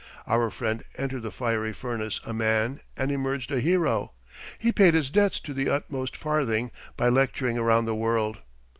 Our friend entered the fiery furnace a man and emerged a hero. He paid his debts to the utmost farthing by lecturing around the world.